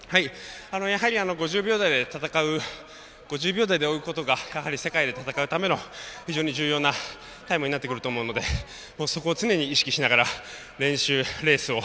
やはり５０秒台で戦う５０秒台で追うことがやはり世界で戦うための非常に重要なタイムとなると思うのでそこを常に意識しながら練習、レースを